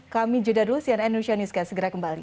kami jodha dul cnn nusyaniuska segera kembali